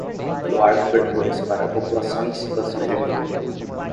Doar cobertores para a população em situação de rua